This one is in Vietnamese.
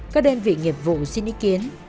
các đơn vị nghiệp vụ xin ý kiến